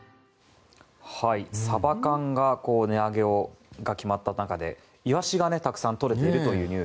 サバ缶の値上げが決まった中でイワシがたくさんとれているというニュース。